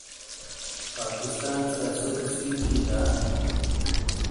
پاکستان سے اسوٹے سی تھی دا؟